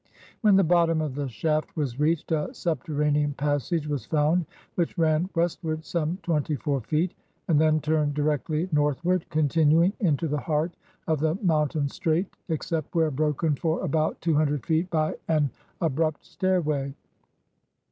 When the bottom of the shaft was reached, a subter ranean passage was found which ran westward some twenty four feet and then turned directly northward, continuing into the heart of the mountain straight, except where broken for about two hundred feet by an 167 EGYPT abrupt stairway.